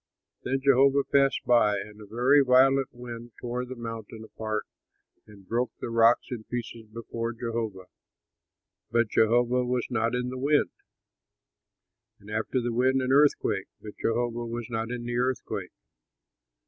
Then Jehovah passed by, and a very violent wind tore the mountain apart and broke the rocks in pieces before Jehovah; but Jehovah was not in the wind. And after the wind an earthquake; but Jehovah was not in the earthquake.